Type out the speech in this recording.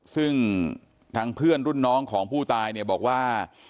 ซึ่งทางเพื่อนรุ่นน้องของผู้ตายเนี่ยบอกว่า